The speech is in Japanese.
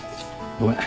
ごめん。